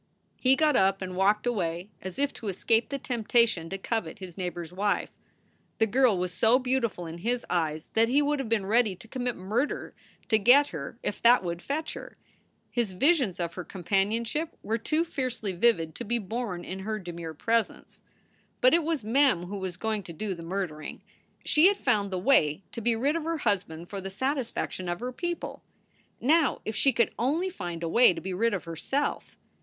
He got up and walked away, as if to escape the temptation to covet his neighbor s wife. The girl was so beautiful in his eyes that he would have been ready to commit murder to get her if that would fetch her. His visions of her com panionship were too fiercely vivid to be borne in her demure presence. But it was Mem who was going to do the murdering. She had found the way to be rid of her husband for the satisfac tion of her people. Now if she could only find a way to be rid of herself.